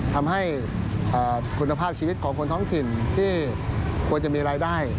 ทำให้คุณภาพชีวิตของคนท้องถิ่นที่ควรจะมีรายได้